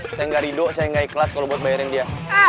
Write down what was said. saya nggak rido saya nggak ikhlas kalau buat bayarin dia